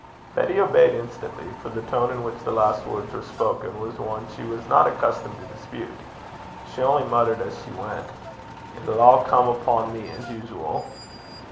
Betty obeyed instantly; for the tone in which the last words were spoken was one she was not accustomed to dispute. She only muttered as she went, 'It 'll a' come upo' me as usual.'